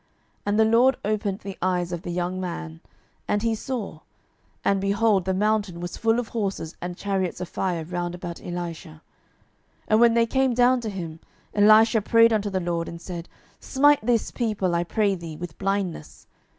And the LORD opened the eyes of the young man; and he saw: and, behold, the mountain was full of horses and chariots of fire round about Elisha. 12:006:018 And when they came down to him, Elisha prayed unto the LORD, and said, Smite this people, I pray thee, with blindness.